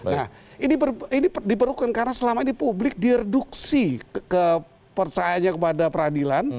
nah ini diperlukan karena selama ini publik direduksi kepercayaannya kepada peradilan